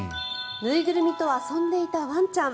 縫いぐるみと遊んでいたワンちゃん。